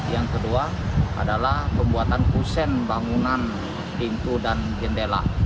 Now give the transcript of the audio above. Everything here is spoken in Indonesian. yang kedua adalah pembuatan kusen bangunan pintu dan jendela